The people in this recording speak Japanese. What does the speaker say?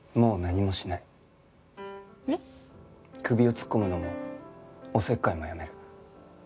首を突っ込むのもおせっかいもやめる。